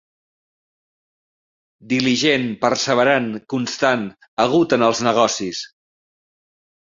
Diligent, perseverant, constant, agut en els negocis.